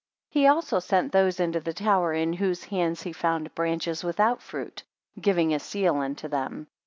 14 He also sent those into the tower, in whose hands he found branches without fruit, giving a seal unto them.